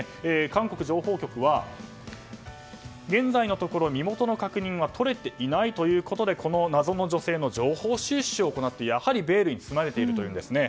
韓国情報局は現在のところ身元の確認は取れていないということでこの謎の女性の情報収集を行ってやはりベールに包まれているというんですね。